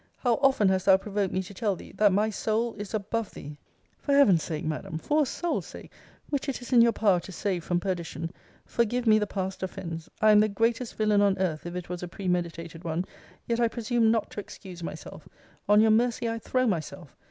How often hast thou provoked me to tell thee, that my soul is above thee! For Heaven's sake, Madam, for a soul's sake, which it is in your power to save from perdition, forgive me the past offence. I am the greatest villain on earth if it was a premeditated one; yet I presume not to excuse myself. On your mercy I throw myself.